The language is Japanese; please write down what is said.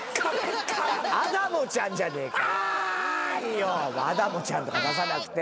いいよアダモちゃんとか出さなくて。